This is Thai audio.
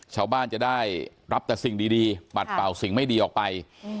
ชาวบ้านจะได้รับแต่สิ่งดีปัดเป่าสิ่งไม่ดีออกไป